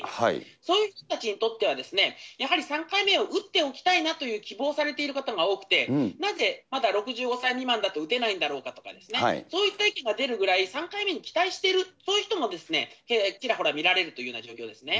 そういう人たちにとっては、やはり３回目を打っておきたいなと希望されている方が多くて、なぜまだ６５歳未満だと打てないんだろうかとかですね、そういった意見が出るぐらい、３回目に期待している、そういう人もちらほら見られるというような状況ですね。